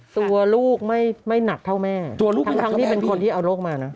ตัวลูกไม่หนักเท่าแม่ทั้งที่เป็นคนที่เอาโรคมานะ